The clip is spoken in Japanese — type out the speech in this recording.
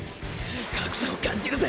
格差を感じるぜ。